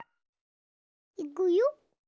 いくよ。